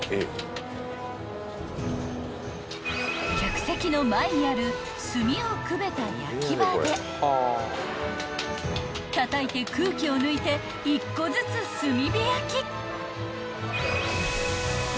［客席の前にある炭をくべた焼き場でたたいて空気を抜いて１個ずつ炭火焼き］